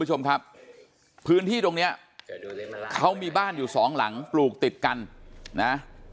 คุณผู้ชมครับพื้นที่ตรงเนี้ยเขามีบ้านอยู่สองหลังปลูกติดกันนะ